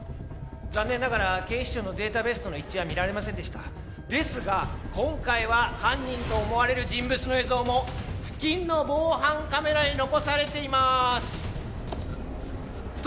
残念ながら警視庁のデータベースとの一致はみられませんでしたですが今回は犯人と思われる人物の映像も付近の防犯カメラに残されていまーすと